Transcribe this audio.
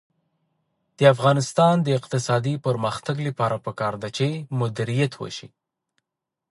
د افغانستان د اقتصادي پرمختګ لپاره پکار ده چې مدیریت وشي.